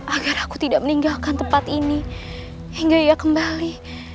agar aku tidak meninggalkan tempat ini hingga ia kembali